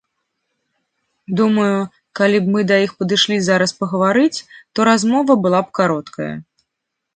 Думаю, калі б мы да іх падышлі зараз пагаварыць, то размова была б кароткая.